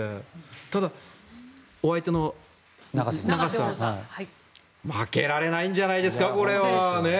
ただ、お相手の永瀬さん負けられないんじゃないですかこれは。